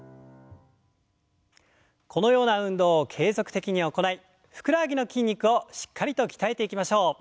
このような運動を継続的に行いふくらはぎの筋肉をしっかりと鍛えていきましょう。